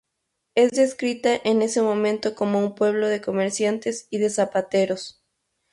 Es descrita en ese momento como un pueblo de comerciantes y de zapateros.